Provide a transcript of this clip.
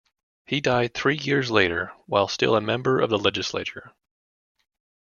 He died three years later, while still a member of the legislature.